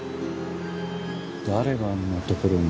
誰があんなところに。